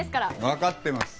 わかってます。